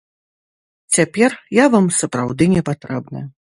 Цяпер я вам сапраўды не патрэбны.